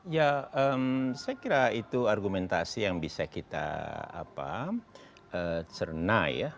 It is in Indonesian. ya saya kira itu argumentasi yang bisa kita cerna ya